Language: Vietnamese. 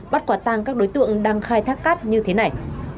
bắt quả tang các đối tượng đang khai thác cát như thế này